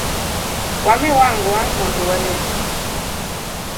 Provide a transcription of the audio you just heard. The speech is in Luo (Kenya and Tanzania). Wa mi wangwa mondo wa lem.